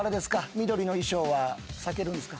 緑の衣装は避けるんですか？